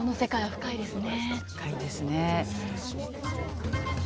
深いですね。